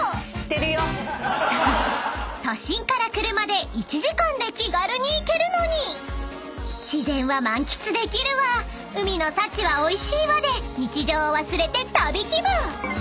［都心から車で１時間で気軽に行けるのに自然は満喫できるわ海の幸はおいしいわで日常を忘れて旅気分！］